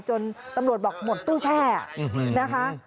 จนตำรวจบอกหมดตู้แช่นะคะ